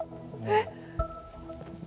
えっ。